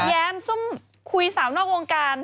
แย้มซุ่มคุยสาวนอกวงการ